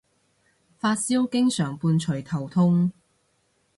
發燒經常伴隨頭痛